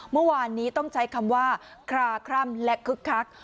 เมื่อวานนี้ต้องใช้คำว่าคลาคร่ำและคึกคัก